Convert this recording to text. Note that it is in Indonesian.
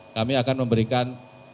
kami akan memberikan